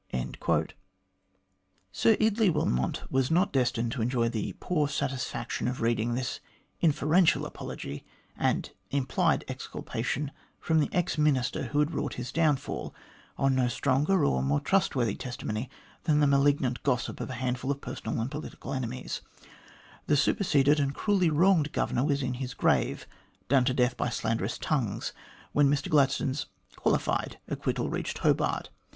160 THE GLADSTONE COLONY Sir Eardley Wilmot was not destined to enjoy the poor satisfaction of reading this inferential apology and implied exculpation from the ex Minister who had wrought his downfall on no stronger or more trustworthy testimony than the malignant gossip of a handful of personal and political enemies, The superseded and cruelly wronged Governor was in his grave, done to death by slanderous tongues, when Mr Gladstone's qualified acquittal reached Hobart.